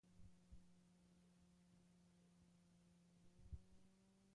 Aragoieraz eta gaztelaniaz idazten du.